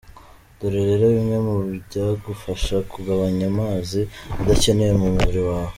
Dore rero bimwe mu byagufasha kugabanya amazi adakenewe mu mubiri wawe.